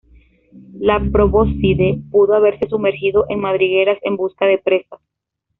La probóscide pudo haberse sumergido en madrigueras en busca de presas.